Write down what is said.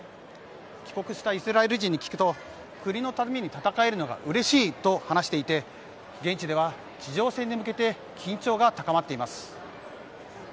帰国したイスラエル人に聞くと国のために戦えるのがうれしいと話していて現地では、地上戦に向けて緊張が高まっています。